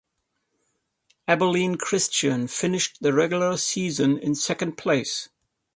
Abilene Christian finished the regular season in second place.